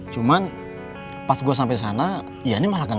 cuman pas gue sampe sana iannya malah gak ada